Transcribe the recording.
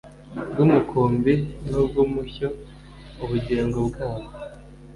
bw umukumbi n ubw ubushyo ubugingo bwabo